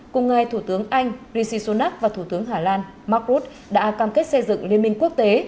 cùng ngay thủ tướng anh rishi sonak và thủ tướng hà lan mark rutte đã cam kết xây dựng liên minh quốc tế